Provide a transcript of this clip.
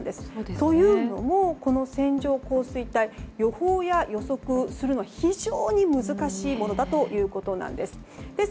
というのも、この線状降水帯予報や、予測するのが非常に難しいものだということです。